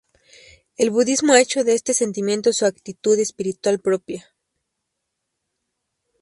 El budismo ha hecho de este sentimiento su actitud espiritual propia.